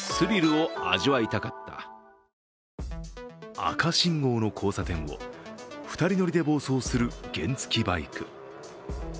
赤信号の交差点を２人乗りで暴走する原付きバイク。